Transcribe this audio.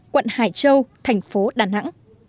quận hải châu tp đn